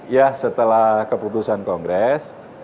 ya setelah keputusan kongres